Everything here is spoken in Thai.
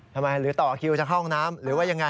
หรือต่อคิวจะเข้าห้องน้ำหรือว่ายังไง